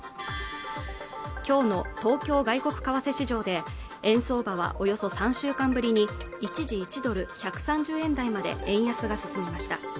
きょうの東京外国為替市場で円相場はおよそ３週間ぶりに一時１ドル＝１３０円台まで円安が進みました